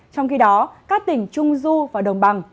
trong khi đó các tỉnh trung du và đồng bằng